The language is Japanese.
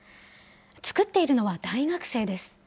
作っているのは大学生です。